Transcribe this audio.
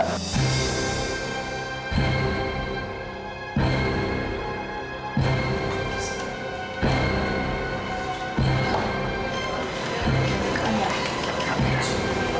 dia kan cowok yang waktu itu